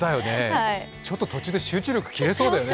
ちょっと途中で集中力切れそうだよね。